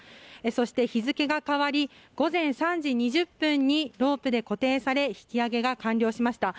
そして、日付が変わり午前３時２０分にロープで固定され引き揚げが完了しました。